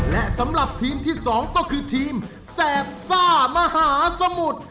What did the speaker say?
และสำหรับทีมที่๒ก็คือทีมแสบซ่ามหาสมุทร